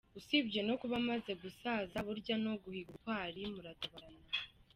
Usibye no kuba amaze gusaza, burya n’uguhiga ubutwari muratabarana.